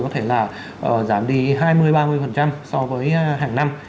có thể là giảm đi hai mươi ba mươi so với hàng năm